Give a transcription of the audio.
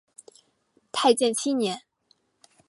太建七年。